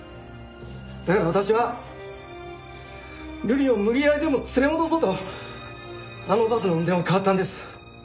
だから私はルリを無理やりでも連れ戻そうとあのバスの運転を代わったんです。